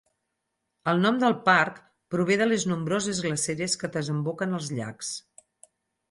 El nom del parc prové de les nombroses glaceres que desemboquen als llacs.